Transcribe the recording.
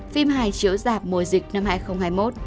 phim hài chiếu dạp mùa dịch năm hai nghìn hai mươi một